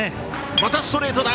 またストレートだ。